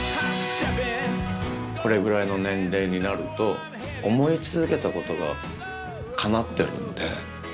これぐらいの年齢になると思い続けたことがかなってるんで。